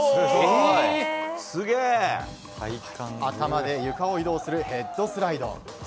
頭で床を移動するヘッドスライド。